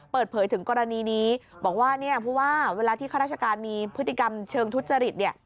เปิดเผยถึงกรณีนี้บอกว่าเนี่ยผู้ว่าเวลาที่ข้าราชการมีพฤติกรรมเชิงทุจริตเนี่ย